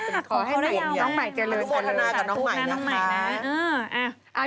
ขอให้หนูโมทนากับน้องใหม่นะคะ